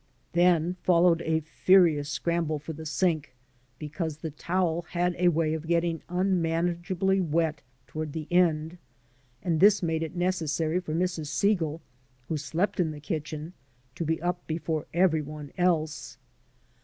Then followed a furious scramble for the sink, because the towel had a way of getting unmanageably wet toward the end; and this made it necessary for Mrs. Segal, who slept in the kitchen, to be up before every one else.